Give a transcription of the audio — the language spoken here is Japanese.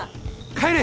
帰れ！